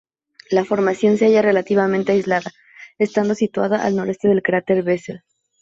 La formación se halla relativamente aislada, estando situada al noreste del cráter Bessel.